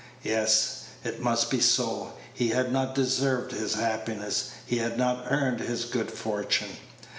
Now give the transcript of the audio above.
Yes, it must be so; he had not deserved his happiness, he had not earned his good fortune.